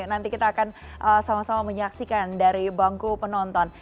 nanti kita akan sama sama menyaksikan dari bangku penonton